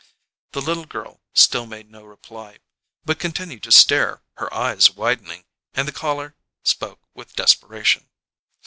The little girl still made no reply, but continued to stare, her eyes widening, and the caller spoke with desperation.